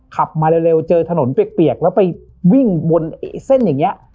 ขับมาเร็วเจอถนนเปียกแล้วไปวิ่งบนเส้นอย่างนี้